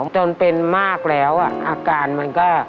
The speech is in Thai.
จนเป็นมากแล้วอาการมันก็